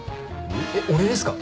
えっ俺ですか？